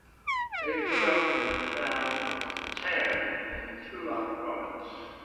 He grew up in the town of Chern in Tula province.